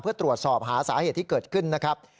เพื่อตรวจสอบหาสาเหตุที่เกิดขึ้นนะครับ